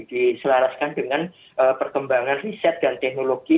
diselaraskan dengan perkembangan riset dan teknologi